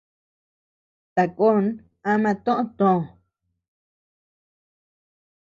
Takon ama toʼö tö.